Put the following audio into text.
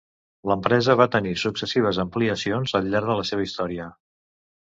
L'empresa va tenir successives ampliacions al llarg de la seva història.